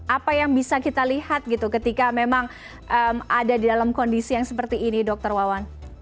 apa yang bisa kita lihat gitu ketika memang ada di dalam kondisi yang seperti ini dokter wawan